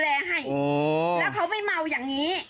แล้วเขาไปเมาอย่างนี้